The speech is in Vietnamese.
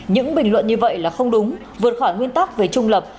những bình luận như vậy là không đúng vượt khỏi nguyên tắc về trung lập